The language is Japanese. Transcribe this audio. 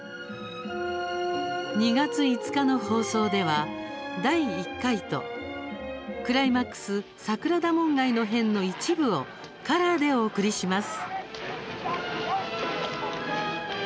２月５日の放送では第１回とクライマックス桜田門外の変の一部をカラーでお送りします。